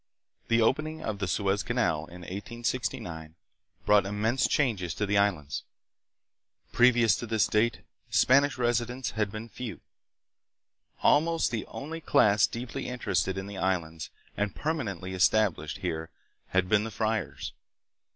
The opening of the Suez Canal in 1869 brought immense changes to the Is lands. Previous to this date Spanish residents had been few. Almost the only class deeply interested in the Islands and permanently established here had been the friars.